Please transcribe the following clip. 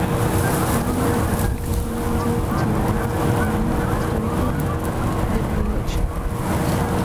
Algunas de las edificaciones han sido consideradas patrimonio histórico de Bariloche.